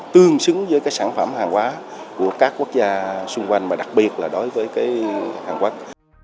tương xứng với cái sản phẩm hàng hóa của các quốc gia xung quanh mà đặc biệt là đối với hàn quốc